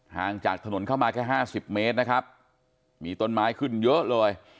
ห่างจากถนนเข้ามาแค่ห้าสิบเมตรนะครับมีต้นไม้ขึ้นเยอะเลย